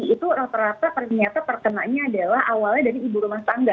itu rata rata ternyata terkenanya adalah awalnya dari ibu rumah tangga